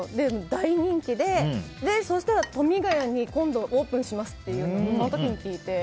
大人気で、そしたら富ヶ谷に今度オープンしますって聞いて。